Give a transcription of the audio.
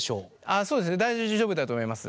そうですね大丈夫だと思います。